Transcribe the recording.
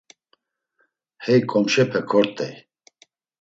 Hey komşepe kort̆ey.